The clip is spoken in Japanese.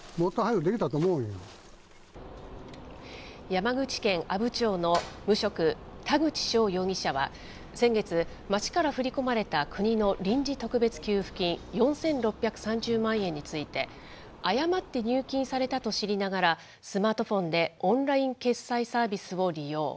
山口県阿武町の無職、田口翔容疑者は先月、町から振り込まれた国の臨時特別給付金４６３０万円について、誤って入金されたと知りながら、スマートフォンでオンライン決済サービスを利用。